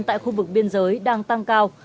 tại khu vực biên giới đang tăng cao